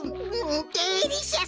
デリシャス！